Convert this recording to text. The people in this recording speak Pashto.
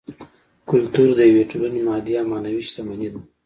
کولتور د یوې ټولنې مادي او معنوي شتمني ده